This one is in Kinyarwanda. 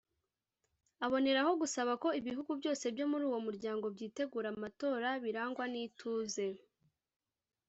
aboneraho gusaba ko ibihugu byose byo muri uwo muryango byitegura amatora birangwa n’ituze